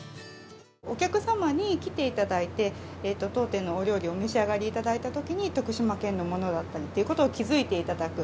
お客様に来ていただいて、当店のお料理をお召し上がりいただいたときに、徳島県のものだったりということを気付いていただく。